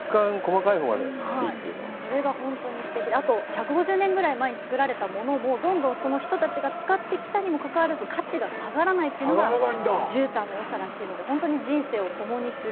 いいものってそれが本当にすてきで、あと、１５０年ぐらい前に作られたものも、どんどんその人たちが使ってきたにもかかわらず、価値が下がらないというのが絨毯のよさらしいので、本当に人生を共にする。